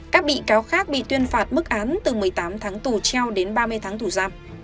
các bị cáo khác bị tuyên phạt mức án từ một mươi tám tháng tù treo đến ba mươi tháng tù giam